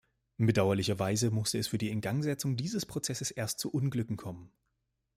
Bedauerlicherweise musste es für die Ingangsetzung dieses Prozesses erst zu Unglücken kommen.